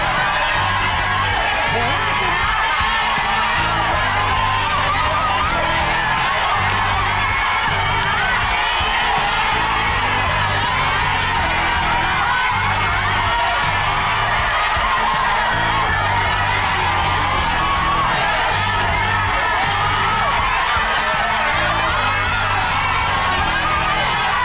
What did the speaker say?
สุดท้ายสุดท้ายสุดท้ายสุดท้ายสุดท้ายสุดท้ายสุดท้ายสุดท้ายสุดท้ายสุดท้ายสุดท้าย